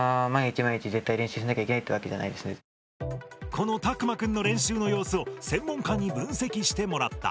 このたくまくんの練習の様子を専門家に分析してもらった。